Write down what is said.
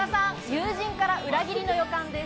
友人から裏切りの予感です。